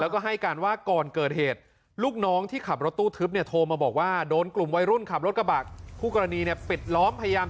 แล้วก็ให้กันว่าก่อนเกิดเหตุลูกน้องที่ขับรถตู้ทึบเนี้ย